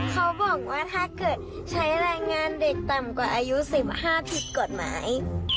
เขาบอกว่าถ้าเกิดใช้แรงงานเด็กต่ำกว่าอายุ๑๕ผิดกฎหมาย